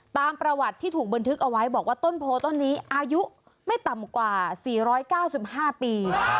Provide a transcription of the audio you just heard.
ตามประวัติที่ถูกบันทึกเอาไว้บอกว่าต้นโพต้นนี้อายุไม่ต่ำกว่า๔๙๕ปี